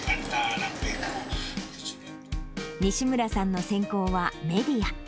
西村さんの専攻はメディア。